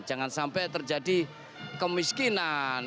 jangan sampai terjadi kemiskinan